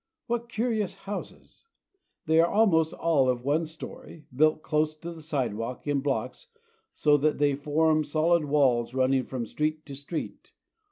What curious houses ! They are almost all of one story, built close to the sidewalk, in blocks, so that they form solid walls running from street to street.